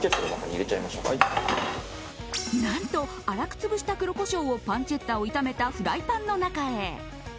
何と粗く潰した黒コショウをパンチェッタを炒めたフライパンの中へ。